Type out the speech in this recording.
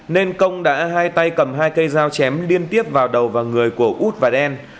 nên công đã hai tay cầm hai cây dao chém liên tiếp vào đầu và người của út và đen